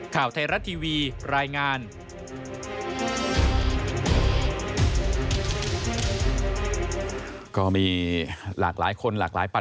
ข่าวไทยรัฐทีวีรายงาน